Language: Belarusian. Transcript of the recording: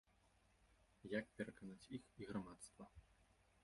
Як пераканаць іх і грамадства?